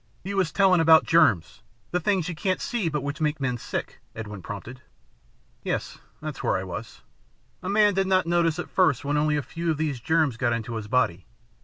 "You was telling about germs, the things you can't see but which make men sick," Edwin prompted. "Yes, that's where I was. A man did not notice at first when only a few of these germs got into his body.